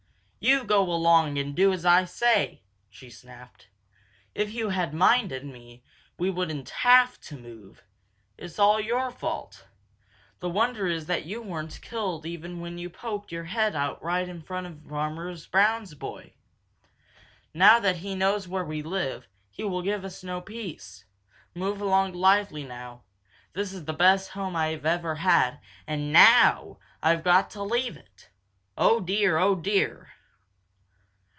"You go along and do as I say!" she snapped. "If you had minded me, we wouldn't have to move. It's all your own fault. The wonder is that you weren't killed when you poked your head out right in front of Farmer Brown's boy. Now that he knows where we live, he will give us no peace. Move along lively now! This is the best home I have ever had, and now I've got to leave it. Oh dear! Oh dear!"